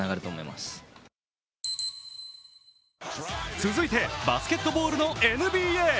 続いてバスケットボールのＮＢＡ。